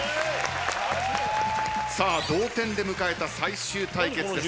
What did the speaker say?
さあ同点で迎えた最終対決です。